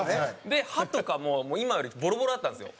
で歯とかも今よりボロボロだったんですよ。